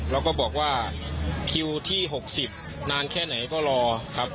แล้วก็บอกว่าคิวที่๖๐นานแค่ไหนก็รอครับ